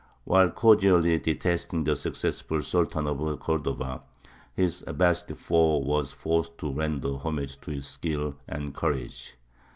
While cordially detesting the successful Sultan of Cordova, his Abbāside foe was forced to render homage to his skill and courage.